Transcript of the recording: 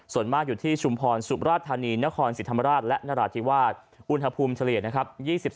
ส่วนมากอยู่ที่ชุมพรสุมราชธานีนครศรีธรรมราชและนราธิวาสอุณหภูมิเฉลี่ยนะครับ